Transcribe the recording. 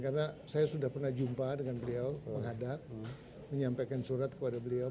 karena saya sudah pernah jumpa dengan beliau menghadap menyampaikan surat kepada beliau